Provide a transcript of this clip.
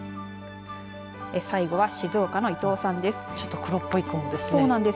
最後は、静岡の伊藤さんです。